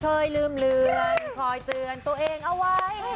เคยลืมเลือนคอยเตือนตัวเองเอาไว้